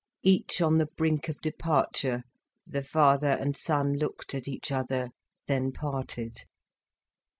Each on the brink of departure, the father and son looked at each other, then parted.